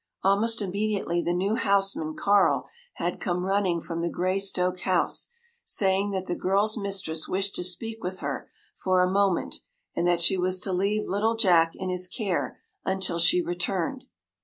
Almost immediately the new houseman, Carl, had come running from the Greystoke house, saying that the girl’s mistress wished to speak with her for a moment, and that she was to leave little Jack in his care until she returned.